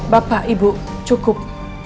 bapak ibu cukup